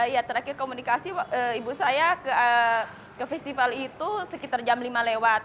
ya terakhir komunikasi ibu saya ke festival itu sekitar jam lima lewat